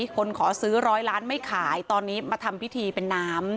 คนขอซื้อร้อยล้านไม่ขายตอนนี้มาทำพิธีเป็นน้ำ